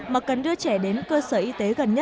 mà cần đưa trẻ đến cơ sở y tế